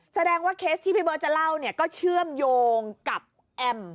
แสดงว่าเคสที่พี่เบิร์ตจะเล่าเนี่ยก็เชื่อมโยงกับแอม